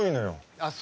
あっそうだ。